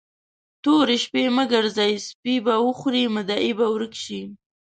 تورې شپې مه ګرځئ؛ سپي به وخوري، مدعي به ورک شي.